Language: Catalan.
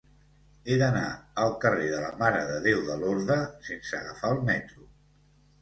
He d'anar al carrer de la Mare de Déu de Lorda sense agafar el metro.